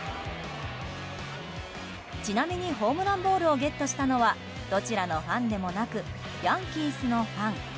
ちなみにホームランボールをゲットしたのはどちらのファンでもなくヤンキースのファン。